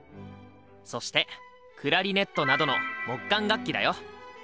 そしてクラリネットなどの木管楽器だよ！